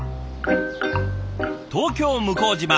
東京・向島